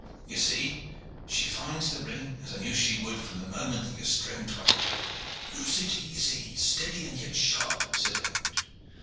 "You see, she finds the ring, as I knew she would from the moment that your string twanged." "Loose it easy, steady, and yet sharp," said Aylward.